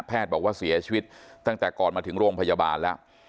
บอกว่าเสียชีวิตตั้งแต่ก่อนมาถึงโรงพยาบาลแล้ว